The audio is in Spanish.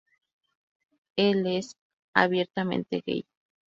Él es abiertamente gay.